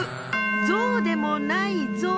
ゾウでもないゾウ。